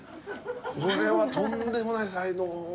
これはとんでもない才能を。